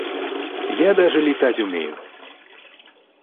Я даже летать умею.